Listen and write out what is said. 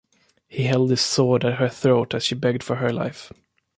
He held his sword at her throat as she begged for her life.